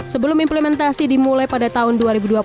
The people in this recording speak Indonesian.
sebelum implementasi dimulai pada tahun dua ribu dua puluh